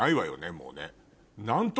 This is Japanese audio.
もうね。